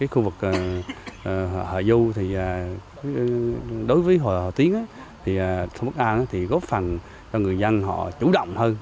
khu vực hạ du đối với hòa tiến thôn bắc an góp phần cho người dân chủ động hơn